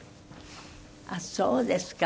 ああそうですか。